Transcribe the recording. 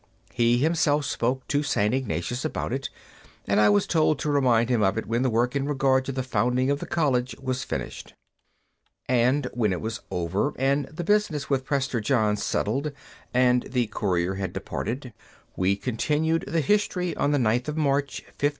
He himself spoke to St. Ignatius about it, and I was told to remind him of it when the work in regard to the founding of the college was finished. And when it was over, and the business with Prester John settled and the courier had departed, we continued the history on the 9th of March, 1555.